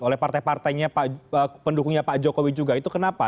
oleh partai partainya pendukungnya pak jokowi juga itu kenapa